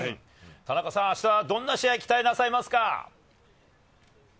田中さん、あしたはどんな試合を期待なさいますか？